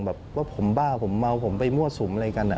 แบบว่าผมบ้าผมเมาผมไปมั่วสุมอะไรกัน